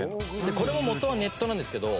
これのもとはネットなんですけど。